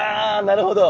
なるほど。